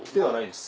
はい。